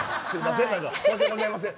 申し訳ございません。